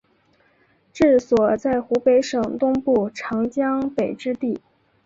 治所在湖北省东部长江北之地。